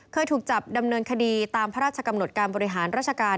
เคยถูกจับดำเนินคดีตามพระราชกำหนดการบริหารราชการ